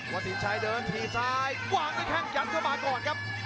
วัดสินใจเดินทีซ้ายความด้วยแข่งยัดเข้ามาก่อนครับ